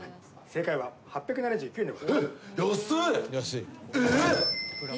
正解は８７９円。